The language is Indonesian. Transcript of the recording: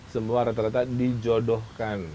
semua rata rata dijodohkan